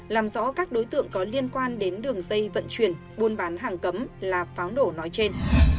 làm rõ các đối tượng có liên quan đến đường dây vận chuyển buôn bán hàng cấm là pháo nổ nói trên